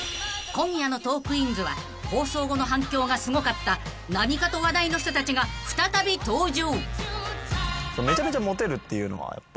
［今夜の『トークィーンズ』は放送後の反響がすごかった何かと話題の人たちが再び登場］